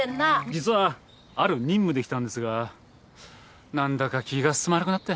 実はある任務で来たんですが何だか気が進まなくなって。